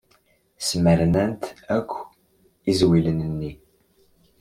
Smernant akk izwilen-nni.